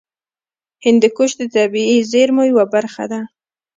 هندوکش د طبیعي زیرمو یوه برخه ده.